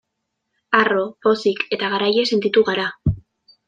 Harro, pozik eta garaile sentitu gara.